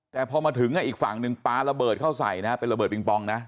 แต่พอมาถึงอีกฝั่งหนึ่งปลาระเบิดเข้าใส่นะเป็นระเบิงปองนะ